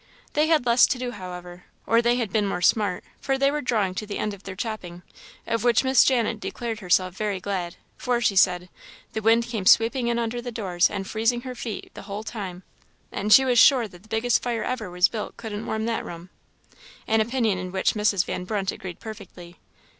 They had less to do, however, or they had been more smart, for they were drawing to the end of their chopping; of which Miss Janet declared herself very glad, for, she said, "the wind came sweeping in under the doors, and freezing her feet the whole time, and she was sure the biggest fire ever was built couldn't warm that room;" an opinion in which Mrs. Van Brunt agreed perfectly.